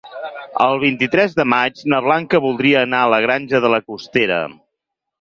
El vint-i-tres de maig na Blanca voldria anar a la Granja de la Costera.